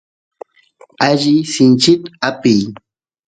alli sinchit apiy